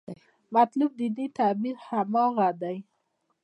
مطلوب دیني تعبیر هماغه دی.